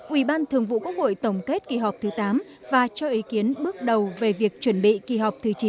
ủy ban thường vụ quốc hội tổng kết kỳ họp thứ tám và cho ý kiến bước đầu về việc chuẩn bị kỳ họp thứ chín của quốc hội